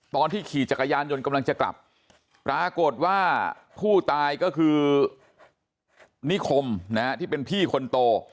ขี่จักรยานยนต์กำลังจะกลับปรากฏว่าผู้ตายก็คือนิคมนะฮะที่เป็นพี่คนโต